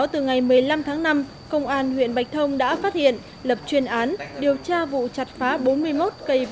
từ ngày một mươi năm tháng năm công an huyện bạch thông đã phát hiện lập chuyên án điều tra vụ chặt phá bốn mươi một cây